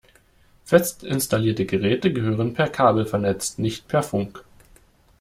Fest installierte Geräte gehören per Kabel vernetzt, nicht per Funk.